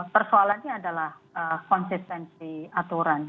persoalannya adalah konsistensi aturan